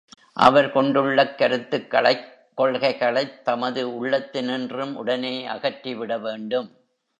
அவர் கொண்டுள்ளக் கருத்துக்களைக், கொள்கைகளைத் தமது உள்ளத்தினின்றும் உடனே அகற்றி விட வேண்டும்!